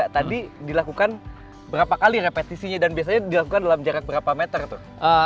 tadi dilakukan berapa kali repetisinya dan biasanya dilakukan dalam jarak berapa meter tuh